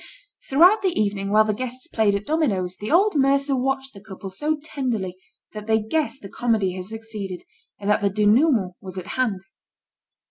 Throughout the evening, while the guests played at dominoes, the old mercer watched the couple so tenderly, that they guessed the comedy had succeeded, and that the denouement was at hand.